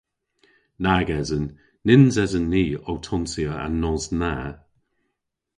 Nag esen. Nyns esen ni ow tonsya an nos na.